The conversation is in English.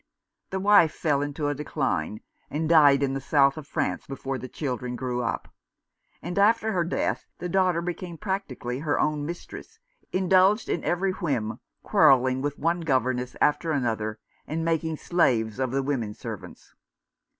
The wife fell into a decline, and died in the south of France, before the children grew up ; and after her death the daughter became practically her own mistress, indulged in every, whim, quarrelling with one governess after another, and making slaves of the women servants.